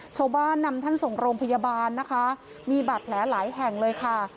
ชาวบ้านนำท่านส่งโรงพยาบาลนะคะมีบาดแผลหลายแห่งเลยค่ะ